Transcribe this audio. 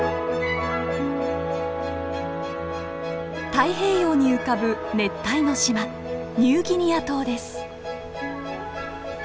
太平洋に浮かぶ熱帯の島ニューギニア島です。